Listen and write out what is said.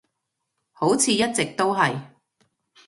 好似一直都係